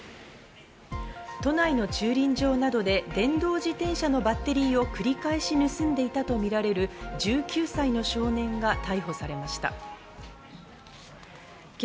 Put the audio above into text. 都内の駐輪場などで電動自転車のバッテリーを繰り返し盗んでいたとみられる１９歳の少年が逮捕されました。